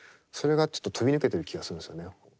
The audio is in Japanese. それがちょっと飛び抜けてる気がするんですよね。